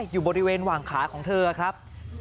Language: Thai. อยู่บริเวณหว่างขาของเธอครับ